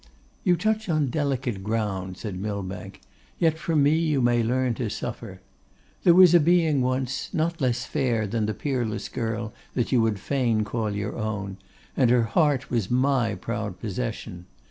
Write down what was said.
'You touch on delicate ground,' said Millbank; 'yet from me you may learn to suffer. There was a being once, not less fair than the peerless girl that you would fain call your own, and her heart was my proud possession.